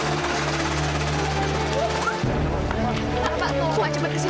maaf pak aku gak cepat kesitu